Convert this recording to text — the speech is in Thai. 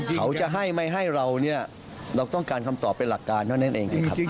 เขาจะให้ไม่ให้เราเนี่ยเราต้องการคำตอบเป็นหลักการเท่านั้นเองครับ